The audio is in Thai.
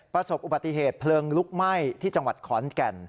ประสบอุบัติเหตุเพลิงลุกไหม้ที่จังหวัดขอนแก่น